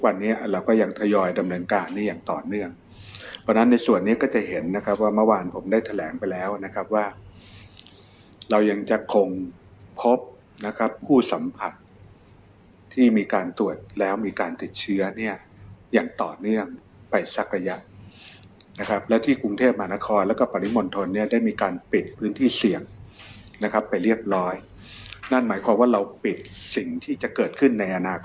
เพราะฉะนั้นในส่วนนี้ก็จะเห็นนะครับว่าเมื่อวานผมได้แถลงไปแล้วนะครับว่าเรายังจะคงพบนะครับผู้สัมผัสที่มีการตรวจแล้วมีการติดเชื้อเนี้ยอย่างต่อเนื่องไปสักอัยะนะครับแล้วที่กรุงเทพมหานครแล้วก็ปริมนธนเนี้ยได้มีการปิดพื้นที่เสียงนะครับไปเรียกรอยนั่นหมายความว่าเราปิดสิ่งที่จะเกิดขึ้นในอนา